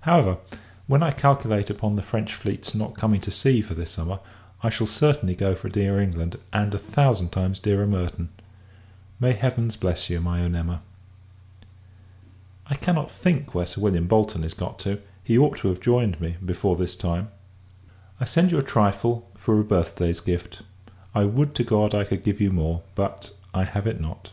However, when I calculate upon the French fleet's not coming to sea for this summer, I shall certainly go for dear England, and a thousand [times] dearer Merton. May Heavens bless you, my own Emma! I cannot think where Sir William Bolton is got to; he ought to have joined me, before this time. I send you a trifle, for a birth day's gift. I would to God, I could give you more; but, I have it not!